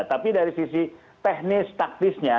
tapi dari sisi teknis taktisnya